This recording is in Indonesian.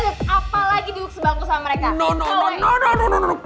dan apa lagi duduk sebangku sama mereka